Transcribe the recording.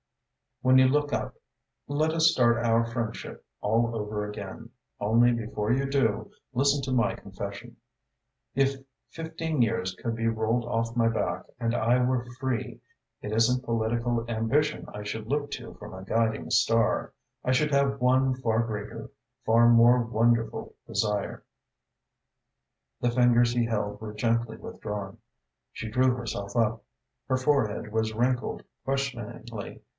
... When you look up, let us start our friendship all over again, only before you do, listen to my confession. If fifteen years could be rolled off my back and I were free, it isn't political ambition I should look to for my guiding star. I should have one far greater, far more wonderful desire." The fingers he held were gently withdrawn. She drew herself up. Her forehead was wrinkled questioningly.